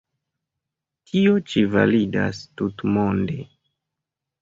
Tio ĉi validas tutmonde.